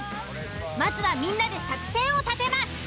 まずはみんなで作戦を立てます。